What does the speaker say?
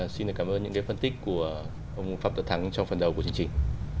xin cảm ơn những cái phân tích của ông pháp tợ thắng trong phần đầu của chương trình